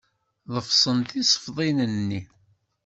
Ḍefsen tisefḍin-nni.